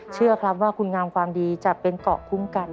เชื่อครับว่าคุณงามความดีจะเป็นเกาะคุ้มกัน